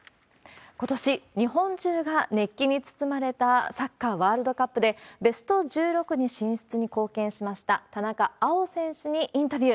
ことし、日本中が熱気に包まれたサッカーワールドカップで、ベスト１６に進出に貢献しました、田中碧選手にインタビュー。